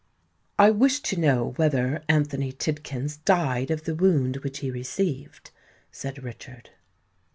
"I wish to know whether Anthony Tidkins died of the wound which he received?" said Richard.